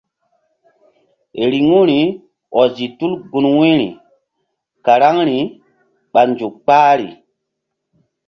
Riŋu ri ɔzi tul gun wu̧yri karaŋri ɓa nzuk kpahri.